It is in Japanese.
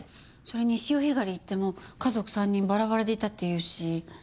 それに潮干狩りに行っても家族３人バラバラでいたっていうし。